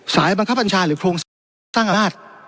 สายบังคับอัญชาหรือโครงสร้างอาฆาต